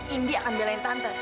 indi akan belain tante